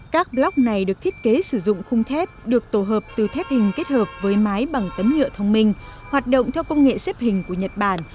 các block này được thiết kế sử dụng khung thép được tổ hợp từ thép hình kết hợp với mái bằng tấm nhựa thông minh hoạt động theo công nghệ xếp hình của nhật bản